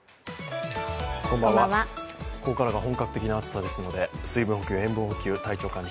ここからが本格的な暑さですので水分補給、塩分補給、体調管理